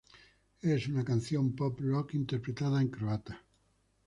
Es una canción pop-rock, interpretada en croata.